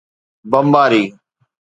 بمباري